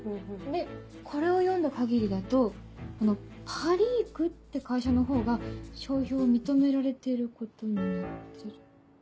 でこれを読んだ限りだとこのパリークって会社のほうが商標を認められてることになってる。